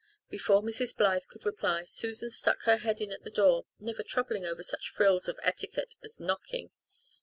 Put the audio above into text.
Before Mrs. Blythe could reply Susan stuck her head in at the door, never troubling over such frills of etiquette as knocking.